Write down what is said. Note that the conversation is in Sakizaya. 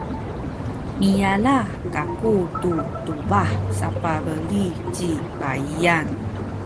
miyala kaku tu tubah sapabeli ci baiyan.